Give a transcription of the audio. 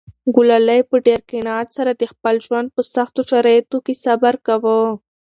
ګلالۍ په ډېر قناعت سره د خپل ژوند په سختو شرایطو کې صبر کاوه.